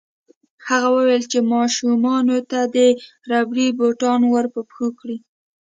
هغه وویل چې ماشومانو ته دې ربړي بوټان ورپه پښو کړي